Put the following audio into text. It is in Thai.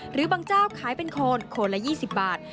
หรือบางเจ้าขายเป็นโคนละ๒๐บาท